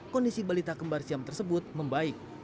kondisi balita kembar siam tersebut membaik